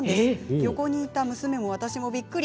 横にいた娘も私もびっくり。